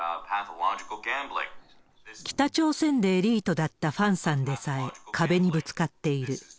北朝鮮でエリートだったファンさんでさえ、壁にぶつかっている。